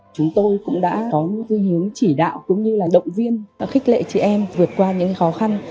chúng tôi cũng đã có những chỉ đạo cũng như là động viên khích lệ chị em vượt qua những khó khăn